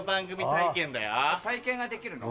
体験ができるの？